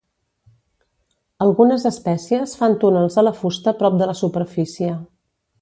Algunes espècies fan túnels a la fusta prop de la superfície.